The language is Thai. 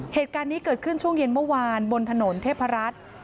เหตุการณ์นี้เกิดขึ้นช่วงเย็นเมื่อวานบนถนนเทพรัฐ